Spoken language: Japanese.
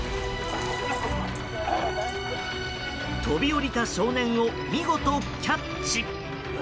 飛び降りた少年を見事、キャッチ。